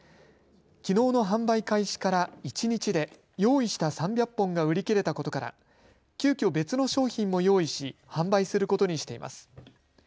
きのうの販売開始から一日で用意した３００本が売り切れたことから急きょ、別の商品も用意し販売することにしています。